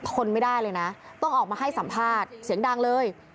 ทนไม่ได้เลยนะต้องออกมาให้สัมภาษณ์เสียงดังเลย